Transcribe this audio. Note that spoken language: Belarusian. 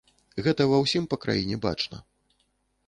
Гэта ва ўсім па краіне бачна.